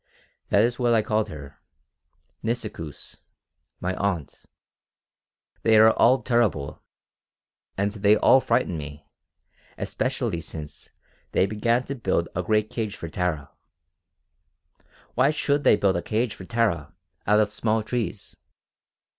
That is what I called her Nisikoos my aunt. They are all terrible, and they all frighten me, especially since they began to build a great cage for Tara. Why should they build a cage for Tara, out of small trees?